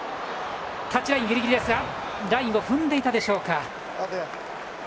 タッチラインギリギリですがラインを踏んでいたでしょうか。